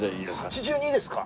８２ですか？